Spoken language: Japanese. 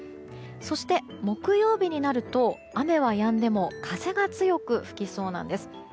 そして木曜日になると雨はやんでも風が強く吹きそうなんです。